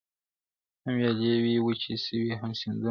هم ویالې وې وچي سوي هم سیندونه -